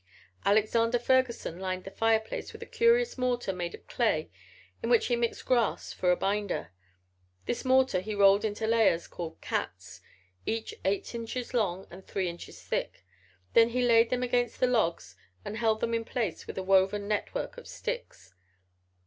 Alexander Ferguson lined the fireplace with a curious mortar made of clay in which he mixed grass for a binder. This mortar he rolled into layers called "cats," each eight inches long and three inches thick. Then he laid them against the logs and held them in place with a woven network of sticks.